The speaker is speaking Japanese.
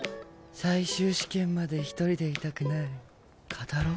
最終試験まで１人でいたくない。